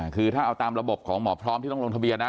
คือถ้าเอาตามระบบของหมอพร้อมที่ต้องลงทะเบียนนะ